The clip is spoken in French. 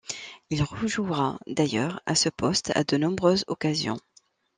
Il rejouera d'ailleurs à ce poste à de nombreuses occasions.